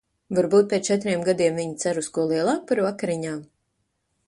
Varbūt pēc četriem gadiem viņa cer uz ko lielāku par vakariņām?